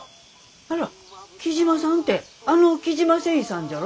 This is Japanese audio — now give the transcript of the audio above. あら雉真さんてあの雉真繊維さんじゃあろ。